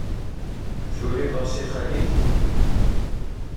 Turiḍ-as i xali-k?